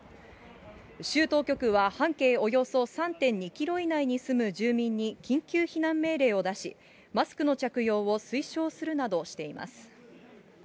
州当局は半径およそ３．２キロ以内に住む住民に緊急避難命令を出し、マスクの着用を推奨するなどしています。